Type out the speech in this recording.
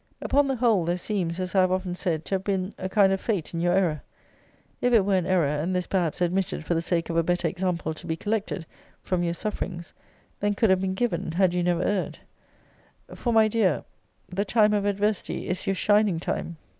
Upon the whole, there seems, as I have often said, to have been a kind of fate in your error, if it were an error; and this perhaps admitted for the sake of a better example to be collected from your SUFFERINGS, than could have been given, had you never erred: for my dear, the time of ADVERSITY is your SHINING TIME.